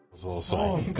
そうか。